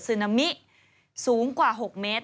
นามิสูงกว่า๖เมตร